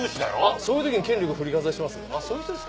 そういう時に権力振りかざす？